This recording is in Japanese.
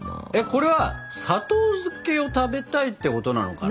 これは砂糖漬けを食べたいってことなのかな？